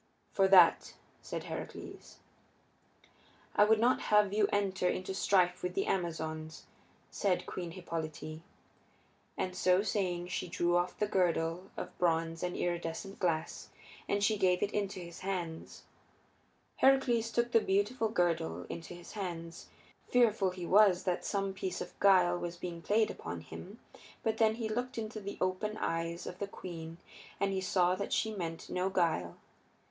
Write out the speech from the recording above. "For that," said Heracles. "I would not have you enter into strife with the Amazons," said Queen Hippolyte. And so saying she drew off the girdle of bronze and iridescent glass, and she gave it into his hands. Heracles took the beautiful girdle into his hands. Fearful he was that some piece of guile was being played upon him, but then he looked into the open eyes of the queen and he saw that she meant no guile.